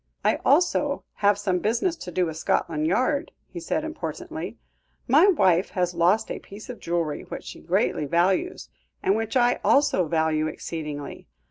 "I also have some business to do with Scotland Yard," he said importantly; "my wife has lost a piece of jewellery which she greatly values, and which I also value exceedingly.